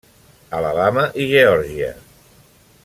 Alabama i Geòrgia.